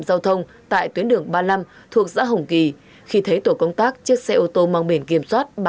giao thông tại tuyến đường ba mươi năm thuộc xã hồng kỳ khi thấy tổ công tác chiếc xe ô tô mang biển kiểm soát